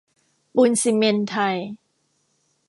ปูนซิเมนต์ไทย